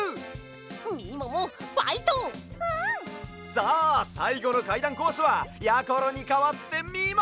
さあさいごのかいだんコースはやころにかわってみもも！